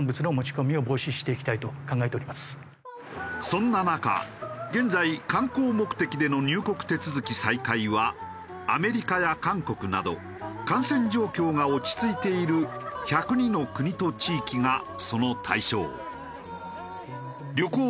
そんな中現在観光目的での入国手続き再開はアメリカや韓国など感染状況が落ち着いている１０２の国と地域がその対象。